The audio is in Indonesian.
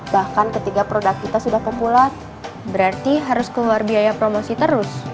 bahkan ketika produk kita sudah populer berarti harus keluar biaya promosi terus